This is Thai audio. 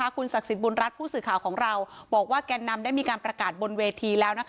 คุณศักดิ์สิทธิบุญรัฐผู้สื่อข่าวของเราบอกว่าแกนนำได้มีการประกาศบนเวทีแล้ว